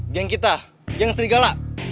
geng kita geng serigala